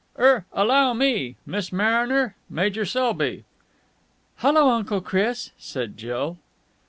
"Er allow me.... Miss Mariner.... Major Selby." "Hullo, Uncle Chris!" said Jill.